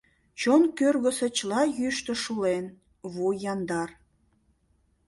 Чон кӧргысӧ чыла йӱштӧ шулен, вуй яндар.